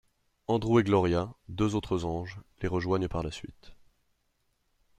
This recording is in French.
Andrew et Gloria, deux autres anges, les rejoignent par la suite.